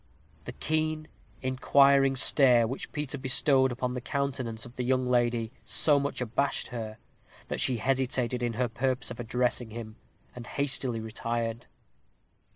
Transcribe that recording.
The keen, inquiring stare which Peter bestowed upon the countenance of the young lady so much abashed her, that she hesitated in her purpose of addressing him, and hastily retired.